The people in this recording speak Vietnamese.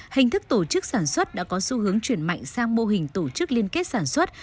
hình thức tổ chức sản xuất đã có xu hướng chuyển mạnh sang mô hình tổ chức liên kết sản xuất